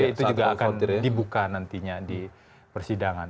itu juga akan dibuka nantinya di persidangan